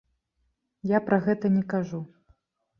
Я пра гэта не кажу.